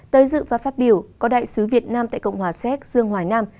tới dự và phát biểu có đại sứ việt nam tại cộng hòa séc dương hoài nam